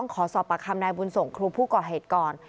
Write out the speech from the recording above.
ขอสอบประคำนายบุญส่งครูผู้ก่อเหตุก่อน